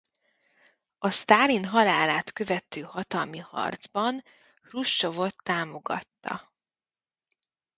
A Sztálin halálát követő hatalmi harcban Hruscsovot támogatta.